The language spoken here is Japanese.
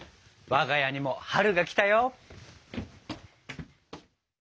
我が家にも春が来たよ。